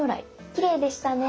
きれいでしたね。